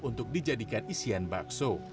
untuk dijadikan isian bakso